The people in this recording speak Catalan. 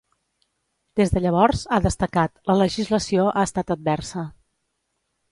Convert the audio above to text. Des de llavors, ha destacat, la legislació ha estat adversa.